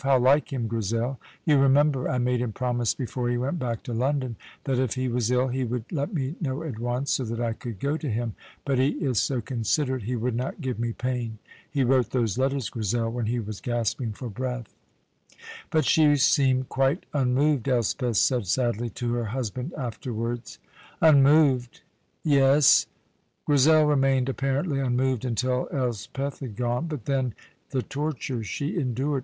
How like him, Grizel! You remember, I made him promise before he went back to London that if he was ill he would let me know at once so that I could go to him, but he is so considerate he would not give me pain. He wrote those letters, Grizel, when he was gasping for breath." "But she seemed quite unmoved," Elspeth said sadly to her husband afterwards. Unmoved! Yes; Grizel remained apparently unmoved until Elspeth had gone, but then the torture she endured!